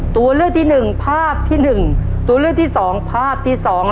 ตัวเลือกที่หนึ่งภาพที่หนึ่งตัวเลือกที่สองภาพที่สอง